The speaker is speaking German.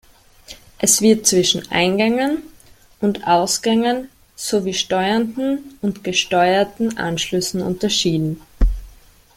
Es wird zwischen Eingängen- und Ausgängen sowie steuernden und gesteuerten Anschlüssen unterschieden.